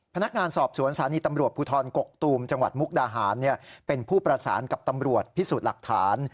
พนักงานสอบสวนสถานีตำรวจภูทรกกตูมจังหวัดมุกดาหารเป็นผู้ประสานกับตำรวจพิสูจน์หลักฐาน